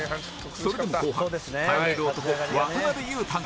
それでも後半、頼れる男渡邊雄太が。